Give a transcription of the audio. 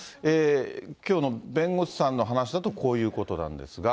きょうの弁護士さんの話だと、こういうことなんですが。